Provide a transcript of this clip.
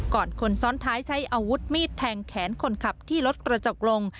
คนซ้อนท้ายใช้อาวุธมีดแทงแขนคนขับที่รถกระจกลง